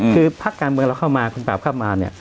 คือภักดิ์การเมืองเราเข้ามา